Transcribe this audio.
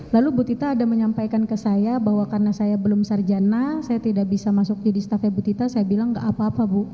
lalu ibu butita ada menyampaikan ke saya bahwa karena saya belum sarjana saya tidak bisa masuk jadi staff nya ibu butita saya bilang tidak apa apa bu